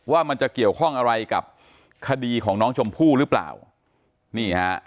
ว่าจะเกี่ยวข้องอะไรกับคดีของน้องชมพู่หรือเปล่านี่ฮะ